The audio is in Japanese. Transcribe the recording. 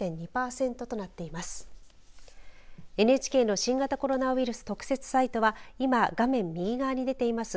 ＮＨＫの新型コロナウイルス特設サイトは今、画面右側に出ています